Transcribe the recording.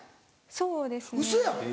そうですね。